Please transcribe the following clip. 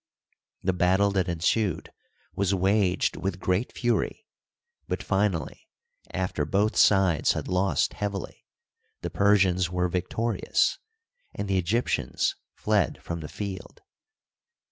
The battle that ensued was waged with creat fury ; but, finally, after both sides had lost heavily, the Persians were victorious, and the Egyp tians fled from the field.